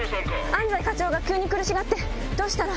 安斉課長が急に苦しがってどうしたら？